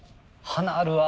華あるわ。